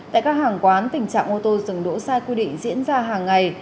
tại các hàng quán tình trạng ô tô dừng đỗ sai quy định diễn ra hàng ngày